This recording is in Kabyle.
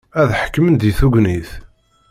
Ad ḥekmen deg tegnit.